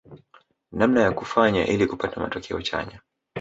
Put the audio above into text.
Namna ya kufanya ili kupata matokeo chanya